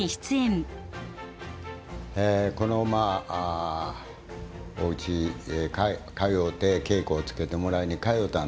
このまあおうち通うて稽古をつけてもらいに通うたんですけど。